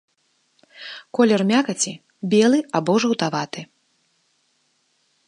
Колер мякаці белы або жаўтаваты.